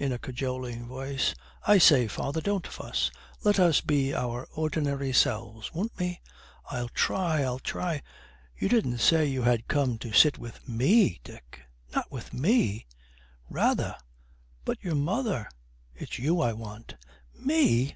In a cajoling voice, 'I say, father, don't fuss. Let us be our ordinary selves, won't you?' 'I'll try, I'll try. You didn't say you had come to sit with me, Dick? Not with me!' 'Rather!' 'But your mother ' 'It's you I want.' 'Me?'